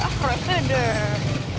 ah reset deh